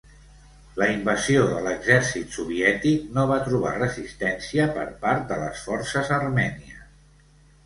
La invasió de l'exèrcit soviètic no va trobar resistència per part de les forces armènies.